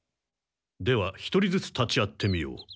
では１人ずつ立ち会ってみよう。